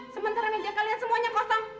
sementara meja kalian semuanya kosong